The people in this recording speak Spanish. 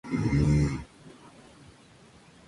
Cuenta con material antropológico de los Onas y los Yámanas.